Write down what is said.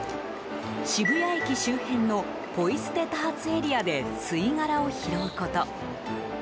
渋谷駅周辺のポイ捨て多発エリアで吸い殻を拾うこと。